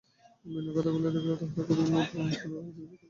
বিনয় খাতা খুলিয়া দেখিল, তাহাতে কবি মূর এবং লংফেলোর ইংরেজি কবিতা লেখা।